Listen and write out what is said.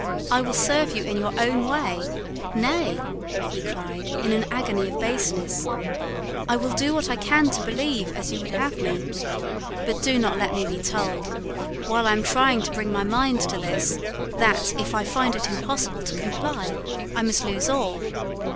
I will serve you in your own way. Nay," he cried, in an agony of baseness, "I will do what I can to believe as you would have me. But do not let me be told, while I am trying to bring my mind to this, that, if I find it impossible to comply, I must lose all.